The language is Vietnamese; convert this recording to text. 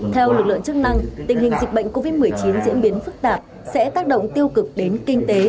theo lực lượng chức năng tình hình dịch bệnh covid một mươi chín diễn biến phức tạp sẽ tác động tiêu cực đến kinh tế